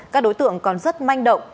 các đối tượng còn rất manh động